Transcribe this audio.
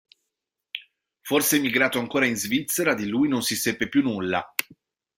Forse emigrato ancora in Svizzera, di lui non si seppe più nulla.